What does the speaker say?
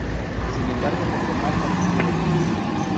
Sin embargo, no fue mal acogido.